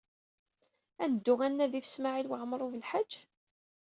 Ad neddu ad d-nnadi ɣef Smawil Waɛmaṛ U Belḥaǧ?